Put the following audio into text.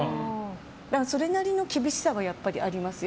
それなりの厳しさはやっぱりありますよ。